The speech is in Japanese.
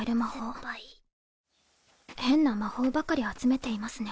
酸っぱい変な魔法ばかり集めていますね。